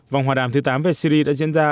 vòng hòa đàm thứ tám về syri đã diễn ra